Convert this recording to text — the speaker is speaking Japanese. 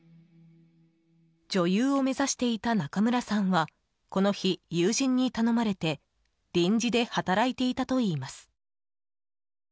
女優を目指していた中村さんはこの日、友人に頼まれて臨時で働いていたといいます。